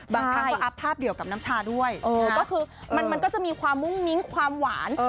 บางครั้งก็อัพภาพเดียวกับน้ำชาด้วยก็คือมันก็จะมีความมุ้งมิ้งความหวาน